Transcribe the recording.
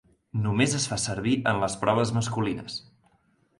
Només es fa servir en les proves masculines.